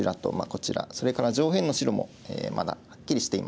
それから上辺の白もまだはっきりしていません。